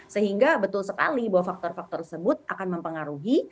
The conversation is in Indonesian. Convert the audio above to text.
sehingga betul sekali bahwa faktor faktor tersebut akan mempengaruhi